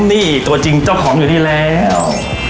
นี่ตัวจริงเจ้าของอยู่นี่แล้ว